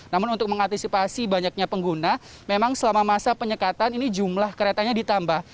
namun untuk mengantisipasi banyaknya pengguna memang selama masa penyekatan ini jumlah keretanya ditambah